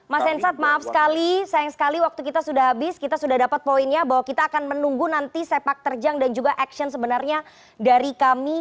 mas hensat maaf sekali sayang sekali waktu kita sudah habis kita sudah dapat poinnya bahwa kita akan menunggu nanti sepak terjang dan juga action sebenarnya dari kami